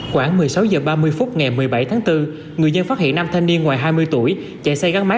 khoảng một mươi sáu h ba mươi phút ngày một mươi bảy tháng bốn người dân phát hiện năm thanh niên ngoài hai mươi tuổi chạy xe gắn máy